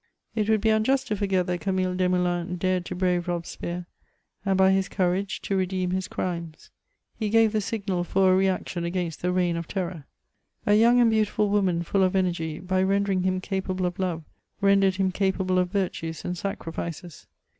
It woula be unjust to fiirget that Camille Desmoolins dared to brave Robespierre, and by his courage to redeem his crimes. He gave the signal for a reaction against the reign of terror. A young and beautiful woman, full of energy, by rendering him capable of love rendered him capable of yu*tues and sacri fices.